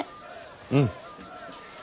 うん。